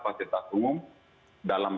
fasilitas umum dalam